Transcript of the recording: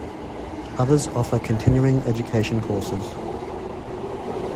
Others offer continuing education courses.